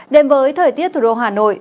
đến với thời tiết thủ đô hà nội